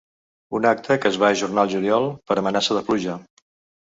Un acte que es va ajornar el juliol per amenaça de pluja.